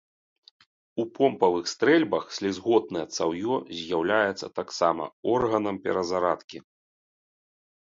У помпавых стрэльбах слізготнае цаўё з'яўляецца таксама органам перазарадкі.